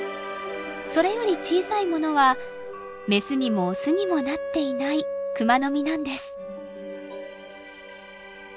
それより小さいものはメスにもオスにもなっていないクマノミなんです。